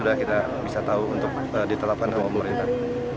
sehingga kita bisa tahu untuk ditelapkan oleh pemerintah